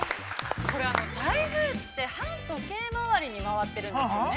◆これ台風って、反時計回りに回っているんですよね。